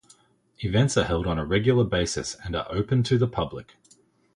Events are held on a regular basis and are open to the public.